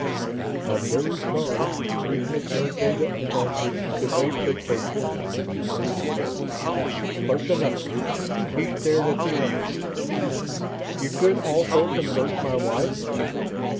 I'm very sorry we had no data upon which to base a closer estimate." "Close enough." He stared at the Oman. "You could also convert my wife?"